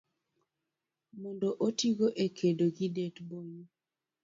mondo otigo e kedo gi det - bonyo.